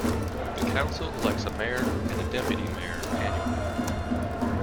The Council elects a mayor and deputy mayor annually.